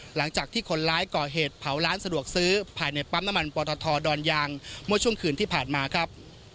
หลังจากที่คนร้ายก่อเหตุเผาร้านสะดวกซื้อภายในปั๊มน้ำมันปตทดอนยางเมื่อช่วงคืนที่ผ่านมาครับ